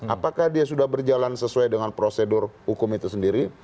apakah dia sudah berjalan sesuai dengan prosedur hukum itu sendiri